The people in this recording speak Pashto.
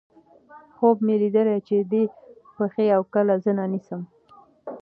خوب مې ليدلے چې دې پښې اؤ کله زنه نيسم